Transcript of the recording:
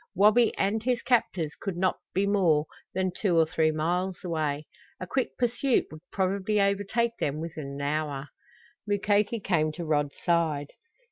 Wabi and his captors could not be more than two or three miles away. A quick pursuit would probably overtake them within an hour. Mukoki came to Rod's side.